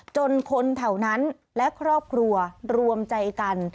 จนคนแถวนั้นและครอบครัวรวมใจกัน